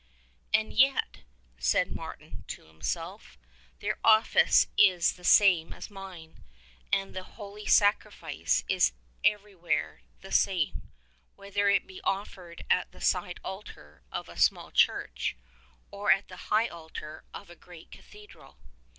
"And yet," said Martin to himself, "their office is the same as mine, and the Holy Sacrifice is everywhere the same — whether it be offered at the side altar of a small church or at the high altar of a great cathedral."